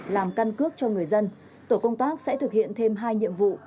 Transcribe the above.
làm căn cước cho người dân tổ công tác sẽ thực hiện thêm hai nhiệm vụ